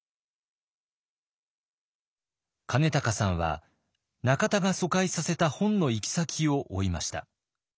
金高さんは中田が疎開させた本の行き先を追いました。